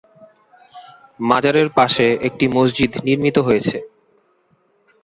মাজারের পাশে একটি মসজিদ নির্মিত হয়েছে।